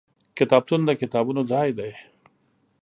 کتابتون د کتابونو ځای دی.